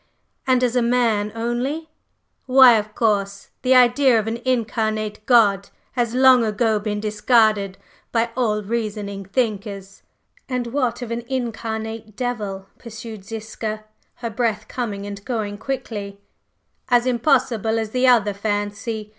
"And as man only?" "Why, of course! The idea of an incarnate God has long ago been discarded by all reasoning thinkers." "And what of an incarnate devil?" pursued Ziska, her breath coming and going quickly. "As impossible as the other fancy!"